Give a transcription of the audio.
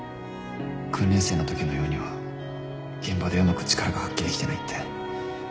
訓練生のときのようには現場でうまく力が発揮できてないって。